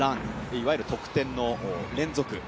いわゆる得点の連続。